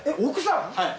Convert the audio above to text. はい。